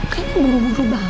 kayaknya buru buru banget